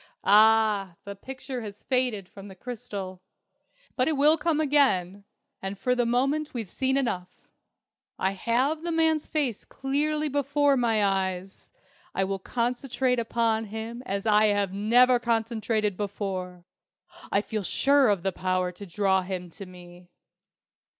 Ah, the picture has faded from the crystal! But it will come again. And for the moment we've seen enough. I have the man's face clearly before my eyes. I will concentrate upon him as I have never concentrated before! I feel sure of the power to draw him to me."